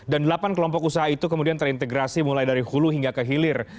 dan delapan kelompok usaha itu kemudian terintegrasi mulai dari hulu hingga ke hilir